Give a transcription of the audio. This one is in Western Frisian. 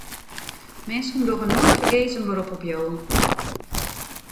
Minsken dogge noait fergees in berop op jo.